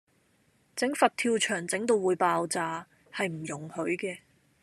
整佛跳牆整到會爆炸，係唔容許嘅